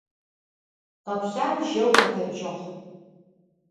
Kheplhan jeu khetecığ.